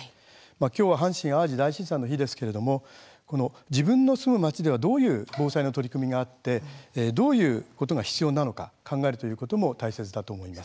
今日は、阪神・淡路大震災の日ですけれども、自分の住む町ではどういう防災の取り組みがあってどういうことが必要なのか考えるということも大切だと思います。